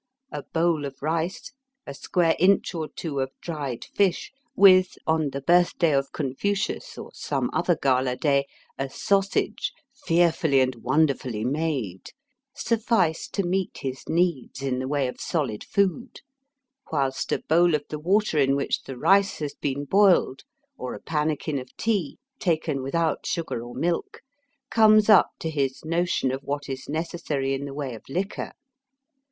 A bowl of rice, a square inch or two of dried fish, with, on the birthday of Confucius or some other gala day, a sausage fearfully and wonderfully made, suffice to meet his needs in the way of solid food ; whilst a bowl of the water in which the rice has been boiled, or a pannikin of tea, taken without sugar or milk, comes up to his notion of what is necessary in the way of liquor.